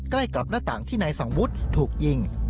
ใกล้กับหน้าต่างที่นายสังวุฒิถูกยิง